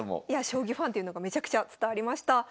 いや将棋ファンっていうのがめちゃくちゃ伝わりました。